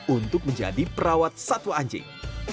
untuk menjadi perawat satwa anjing